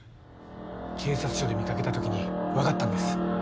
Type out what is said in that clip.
警察署で見かけた時にわかったんです。